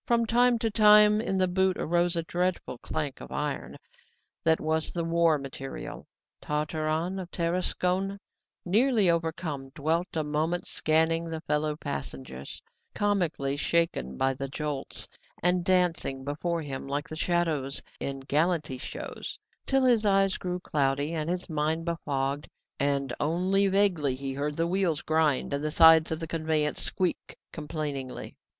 From time to time in the boot arose a dreadful clank of iron: that was the war material. Tartarin of Tarascon, nearly overcome, dwelt a moment scanning the fellow passengers, comically shaken by the jolts, and dancing before him like the shadows in galanty shows, till his eyes grew cloudy and his mind befogged, and only vaguely he heard the wheels grind and the sides of the conveyance squeak complainingly.